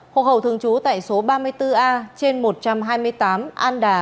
hộ hậu thường trú tại số ba mươi bốn a trên một trăm hai mươi tám an đà